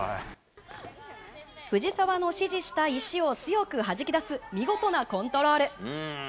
藤澤の指示した石を強くはじき出す、見事なコントロール。